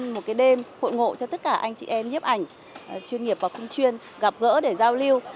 đây là một cái đêm hội cho tất cả anh chị em nhiếp ảnh chuyên nghiệp và khung chuyên gặp gỡ để giao lưu